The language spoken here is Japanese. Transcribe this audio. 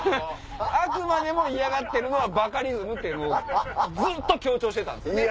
あくまでも嫌がってるのはバカリズムっていうのをずっと強調してたんです。